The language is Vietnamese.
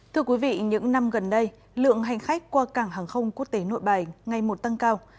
thưa quý vị những năm gần đây lượng hành khách qua cảng hàng không quốc tế nội bài ngày một tăng cao